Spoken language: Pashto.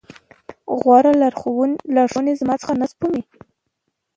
غورې لارښوونې له ما څخه نه سپموي.